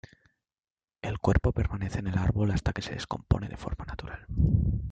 El cuerpo permanece en el árbol hasta que se descompone de forma natural.